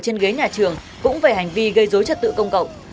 trên ghế nhà trường cũng về hành vi gây dối trật tự công cộng